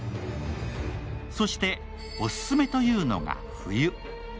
そしてオススメというのが冬。